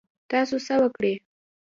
تاسو هڅه وکړئ